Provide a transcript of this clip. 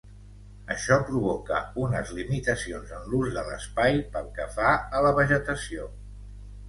Això provoca unes limitacions en l'ús de l'espai pel que fa a la vegetació.